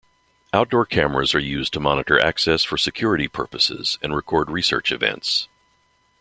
Outdoor cameras are used to monitor access for security purposes and record research events.